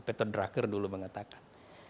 peter drucker dulu mengatakan